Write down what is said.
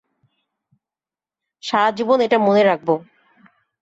সারাজীবন এটা মনে রাখবো।